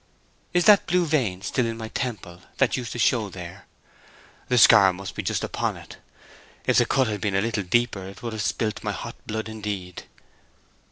"Is that blue vein still in my temple that used to show there? The scar must be just upon it. If the cut had been a little deeper it would have spilt my hot blood indeed!"